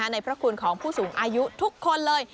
ในพระคุณของผู้สูงอายุทุกคนเลย